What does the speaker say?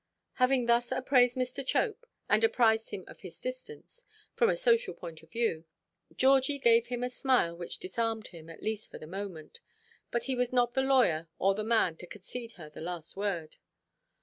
Having thus appraised Mr. Chope, and apprised him of his distance, from a social point of view, Georgie gave him a smile which disarmed him, at least for the moment. But he was not the lawyer, or the man, to concede her the last word.